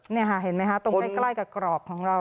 นี่ค่ะเห็นไหมคะตรงใกล้กับกรอบของเรา